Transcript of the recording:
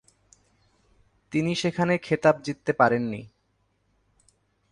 তিনি সেখানে খেতাব জিততে পারেন নি।